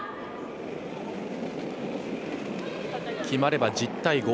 決まれば１０対５。